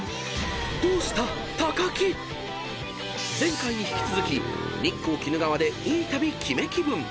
［前回に引き続き日光・鬼怒川でいい旅・キメ気分］